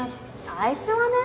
最初はね。